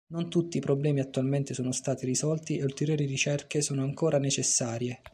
Non tutti i problemi attualmente sono stati risolti e ulteriori ricerche sono ancora necessarie.